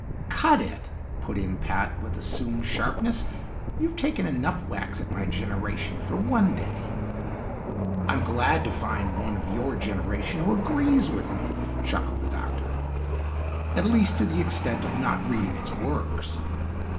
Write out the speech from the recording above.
"Cut it!" put in Pat with assumed sharpness. "You've taken enough whacks at my generation for one day." "I'm glad to find one of your generation who agrees with me," chuckled the Doctor. "At least to the extent of not reading its works."